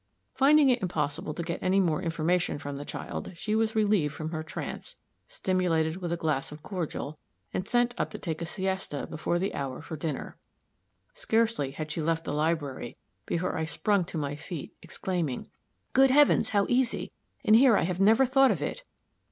Finding it impossible to get any more information from the child, she was relieved from her trance, stimulated with a glass of cordial, and sent up to take a siesta before the hour for dinner. Scarcely had she left the library before I sprung to my feet, exclaiming, "Good heavens, how easy! and here I have never thought of it."